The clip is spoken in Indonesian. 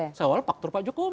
yang menawar faktor pak jokowi